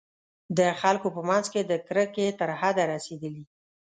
د خلکو په منځ کې د کرکې تر حده رسېدلي.